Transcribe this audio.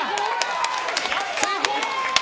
やったー！